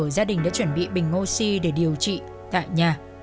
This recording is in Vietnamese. gia đình đã chuẩn bị bình oxy để điều trị tại nhà